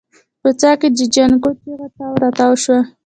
په څاه کې د جانکو چيغه تاو راتاو شوه.